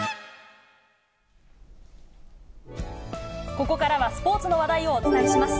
ここからは、スポーツの話題をお伝えします。